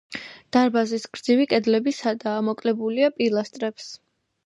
დარბაზის გრძივი კედლები სადაა, მოკლებულია პილასტრებს.